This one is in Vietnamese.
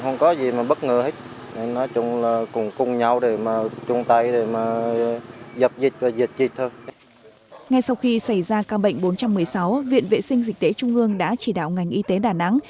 ngay sau khi xảy ra ca bệnh bốn trăm một mươi sáu viện vệ sinh dịch tễ trung ương đã chỉ đạo ngành y tế đà nẵng